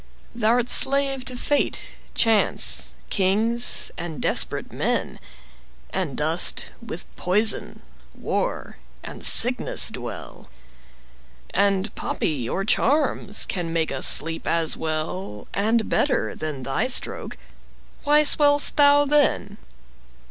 Thou'rt slave to fate, chance, kings, and desperate men, And dost with poison, war, and sickness dwell; 10 And poppy or charms can make us sleep as well And better than thy stroke. Why swell'st thou then?